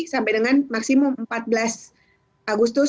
sampai dengan maksimum empat belas agustus